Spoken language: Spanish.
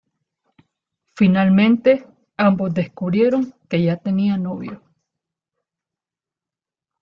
Finalmente, ambos descubrieron que ya tenía novio.